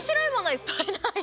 いっぱいない？